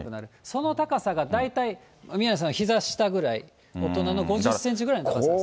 その高さが大体宮根さんのひざ下ぐらい、大人の５０センチぐらいの高さです。